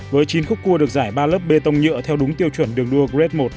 với chín khúc cua được giải ba lớp bê tông nhựa theo đúng tiêu chuẩn đường đua grade một